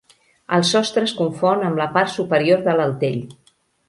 El sostre es confon amb la part superior de l'altell.